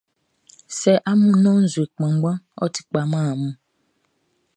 Sɛ amun nɔn nzue kpanngbanʼn, ɔ ti kpa man amun.